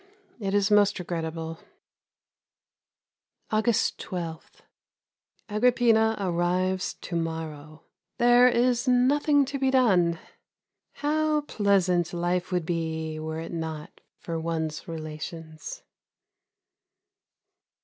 It is most regrettable. August 12. Agrippina arrives to morrow. There is nothing to be done. How pleasant life would be were it not for one's relations.